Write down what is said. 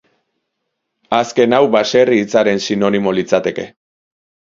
Azken hau baserri hitzaren sinonimo litzateke.